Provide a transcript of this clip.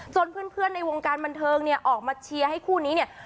เพื่อนในวงการบันเทิงเนี่ยออกมาเชียร์ให้คู่นี้เนี่ย